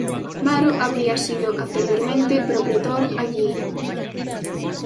Varo había sido anteriormente propretor allí.